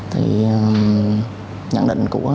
nhãn định của ban chỉ huy đậu và lãnh đạo công an quận